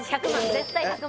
絶対１００万